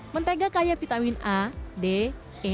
mentega kaya vitamin a d e dan k yang larut dalam air